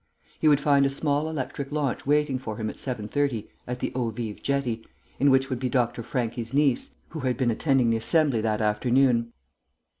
He would find a small electric launch waiting for him at seven thirty at the Eaux Vives jetty, in which would be Dr. Franchi's niece, who had been attending the Assembly that afternoon.